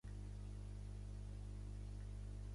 Puc tenir opcions il·limitades contractant el Movistar Fusión?